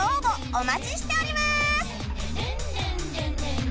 お待ちしておりまーす